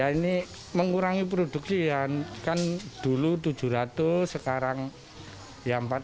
ini mengurangi produksi kan dulu tujuh ratus sekarang empat ratus tiga ratus biji